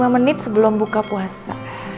lima menit sebelum buka puasa